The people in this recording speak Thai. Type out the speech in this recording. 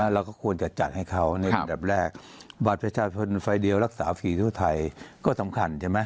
เราก็ควรจะจัดให้เขาในอันดับแรกบัตรประชาชนไฟเดียวรักษาฟรีทั่วไทยก็สำคัญใช่ไหม